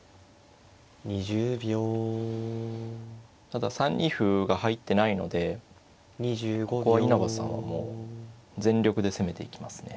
ただ３二歩が入ってないのでここは稲葉さんはもう全力で攻めていきますね。